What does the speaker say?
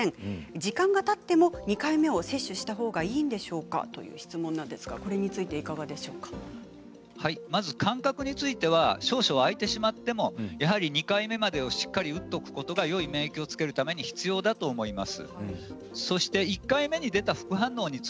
時間がたっても２回目を接種したほうがいいのでしょうかまず間隔については少々空いてしまってもやはり２回目までをしっかり打っておくことが免疫をつけるために必要だと思います。